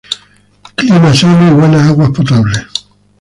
Clima sano y buenas aguas potables.